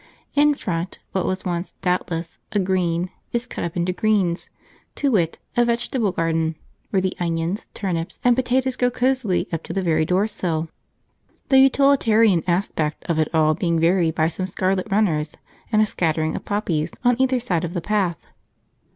In front, what was once, doubtless, a green, is cut up into greens; to wit, a vegetable garden, where the onions, turnips, and potatoes grow cosily up to the very door sill; the utilitarian aspect of it all being varied by some scarlet runners and a scattering of poppies on either side of the path.